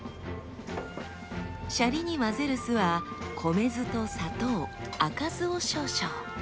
シャリに混ぜる酢は米酢と砂糖赤酢を少々。